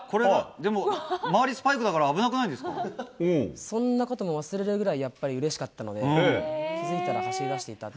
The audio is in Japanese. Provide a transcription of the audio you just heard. でも、周りスパイクだから危そんなことも忘れるぐらい、やっぱりうれしかったので、気付いたら走りだしていたって。